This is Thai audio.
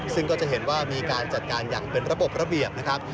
ซึ่งก็จะเห็นว่ามีการจัดการอย่างเป็นระบบระเบียบนะครับ